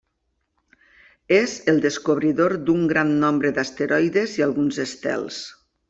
És el descobridor d'un gran nombre d'asteroides i alguns estels.